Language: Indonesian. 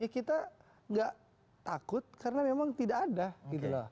kita tidak takut karena memang tidak ada